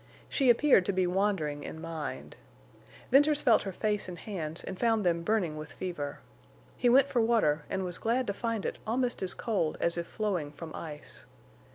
She appeared to be wandering in mind. Venters felt her face and hands and found them burning with fever. He went for water, and was glad to find it almost as cold as if flowing from ice.